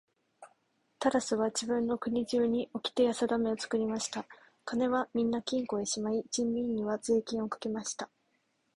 タラスは自分の国中におきてやさだめを作りました。金はみんな金庫へしまい、人民には税金をかけました。